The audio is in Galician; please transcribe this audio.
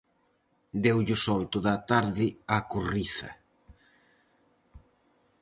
Deulle o sol toda a tarde á corriza.